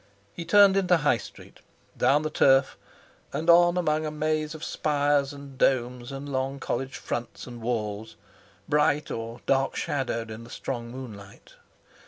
He turned into High Street, down the Turf, and on among a maze of spires and domes and long college fronts and walls, bright or dark shadowed in the strong moonlight.